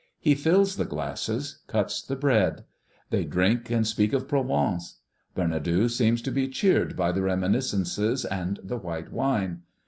He fills the glasses, cuts the bread. They drink and speak of Provence. Bernadou seems to be cheered by the reminiscences and the white wine.